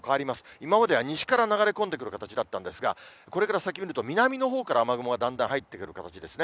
今までは西から流れ込んでくる形だったんですが、これから先を見ると、南のほうから雨雲がだんだん入ってくる形ですね。